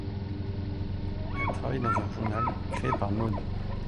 Elle travaille dans un journal créé par Maud.